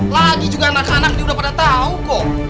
lagi juga anak anak dia udah pada tau kok